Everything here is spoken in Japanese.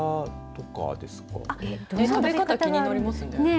食べ方、気になりますね。